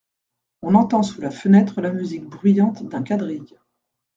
On entend sous la fenêtre la musique bruyante d’un quadrille.